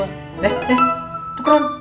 eh eh tukeran